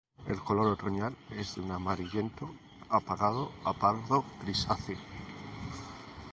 El color otoñal es de un amarillento apagado a pardo grisáceo.